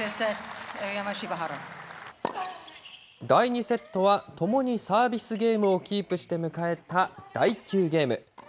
第２セットはともにサービスゲームをキープして迎えた第９ゲーム。